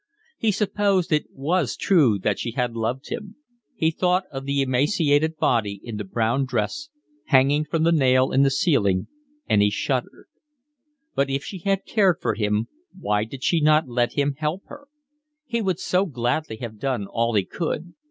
He supposed it was true that she had loved him; he thought of the emaciated body, in the brown dress, hanging from the nail in the ceiling; and he shuddered. But if she had cared for him why did she not let him help her? He would so gladly have done all he could.